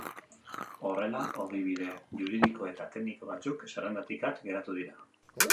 Horrela, ogibide juridiko eta tekniko batzuk zerrendatik at geratuko dira.